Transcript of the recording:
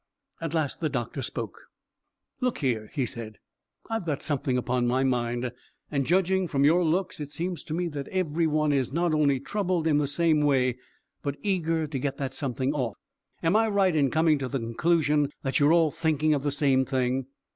At last the doctor spoke. "Look here," he said, "I've got something upon my mind, and judging from your looks it seems to me that every one is not only troubled in the same way, but eager to get that something off. Am I right in coming to the conclusion that you are all thinking of the same thing?"